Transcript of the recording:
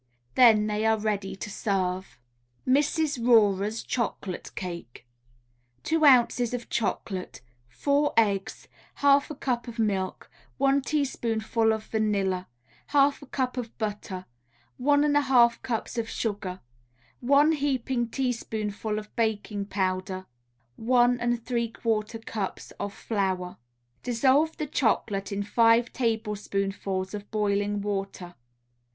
Then they are ready to serve. MRS. RORER'S CHOCOLATE CAKE 2 ounces of chocolate, 4 eggs, 1/2 a cup of milk, 1 teaspoonful of vanilla, 1/2 a cup of butter, 1 1/2 cups of sugar, 1 heaping teaspoonful of baking powder, 1 3/4 cups of flour. Dissolve the chocolate in five tablespoonfuls of boiling water.